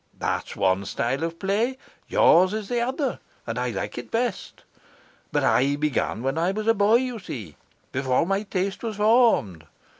That's one style of play, yours is the other, and I like it best. But I began when I was a boy, you see, before my taste was formed.